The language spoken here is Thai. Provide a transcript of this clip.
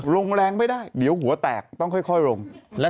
ลงแรงไม่ได้เดี๋ยวหัวแตกต้องค่อยลง